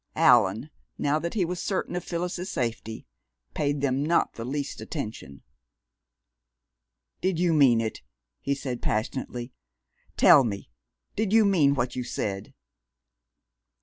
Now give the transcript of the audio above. Allan, now that he was certain of Phyllis's safety, paid them not the least attention. "Did you mean it?" he said passionately. "Tell me, did you mean what you said?"